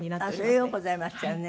それはようございましたよね。